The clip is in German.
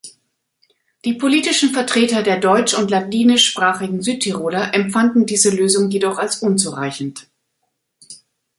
Die politischen Vertreter der deutsch- und ladinischsprachigen Südtiroler empfanden diese Lösung jedoch als unzureichend.